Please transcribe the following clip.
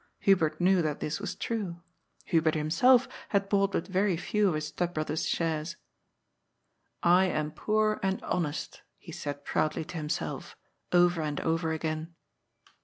Hubert knew that this was true. Hubert himself had bought but very few of his step brother's shares. "I am poor and honest, he said proudly to himself, over and over again.